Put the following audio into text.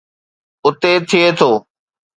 اتي ٿئي ٿو.